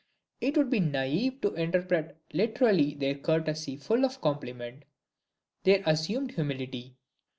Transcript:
It would be naive to interpret literally their courtesy full of compliment, their assumed humility.